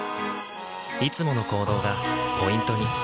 いつもの行動がポイントに。